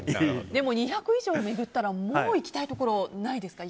でも２００以上を巡ったらもう行きたいところないですか。